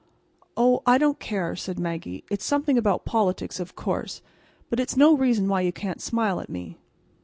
"Oh, I don't care," said Maggie. "It's something about politics, of course. But it's no reason why you can't smile at me."